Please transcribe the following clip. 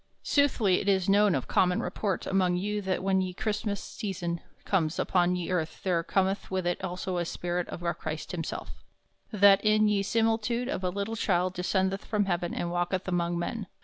Soothly it is known of common report among you that when ye Chrystmass season comes upon ye earth there cometh with it also the spirit of our Chryst himself, that in ye similitude of a little childe descendeth from heaven and walketh among men.